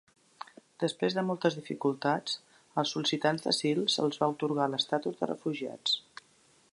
Després de moltes dificultats, als sol·licitants d'asil se'ls va atorgar l'estatus de refugiats.